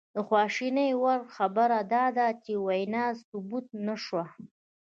د خواشینۍ وړ خبره دا ده چې وینا ثبت نه شوه